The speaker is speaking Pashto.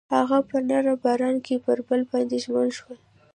هغوی په نرم باران کې پر بل باندې ژمن شول.